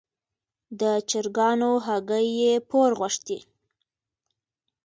د چرګانو هګۍ یې پور غوښتې.